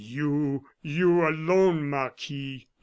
You, you alone, Marquis.